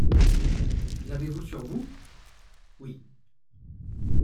L'avez-vous sur vous ? Oui.